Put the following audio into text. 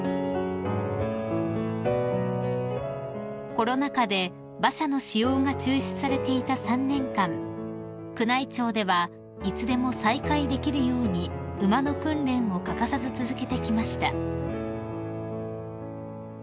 ［コロナ禍で馬車の使用が中止されていた３年間宮内庁ではいつでも再開できるように馬の訓練を欠かさず続けてきました］